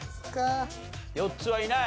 ４つはいない。